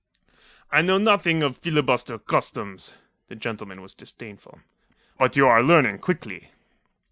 "I know nothing of filibuster customs." The gentleman was disdainful. "But you are learning quickly."